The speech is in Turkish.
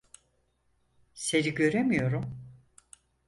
Seni göremiyorum.